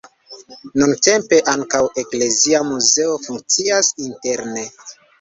Nuntempe ankaŭ eklezia muzeo funkcias interne.